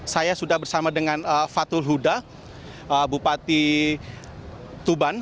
saya sudah bersama dengan fatul huda bupati tuban